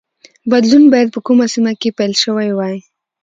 بدلون باید په کومه سیمه کې پیل شوی وای